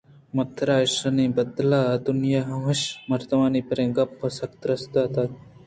ءُ من ترا ایشانی بدلاں دئیاںمیشءَمُردنی پرے گپّءَسکّ تُرس اتک